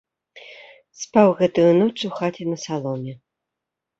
Спаў гэтую ноч у хаце на саломе.